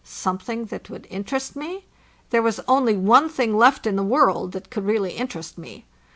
Something that would interest me? There was only one thing left in the world that could really interest me.